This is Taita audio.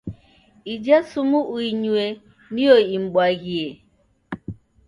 Ija sumu uinyue niyo imbwaghie.